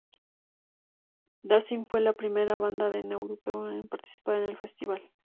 Danzig fue la primera banda no europea en participar en el festival.